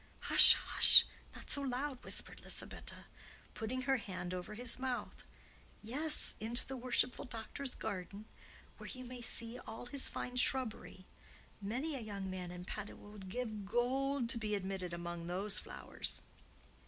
"Hush! hush! not so loud!" whispered Lisabetta, putting her hand over his mouth. "Yes; into the worshipful doctor's garden, where you may see all his fine shrubbery. Many a young man in Padua would give gold to be admitted among those flowers."